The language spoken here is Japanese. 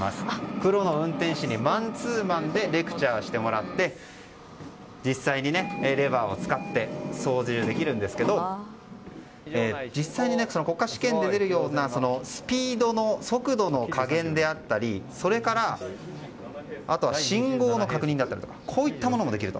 プロの運転士にマンツーマンでレクチャーしてもらって実際にレバーを使って操縦できるんですけど実際に国家試験で出るようなスピードの速度の加減であったりそれから、信号の確認だったりとかもできると。